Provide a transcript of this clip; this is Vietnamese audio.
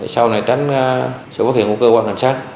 sau này tránh sự phát hiện của cơ quan cảnh sát